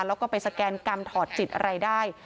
แล้วก็ไปสแกนกรรมถอดจิตอะไรได้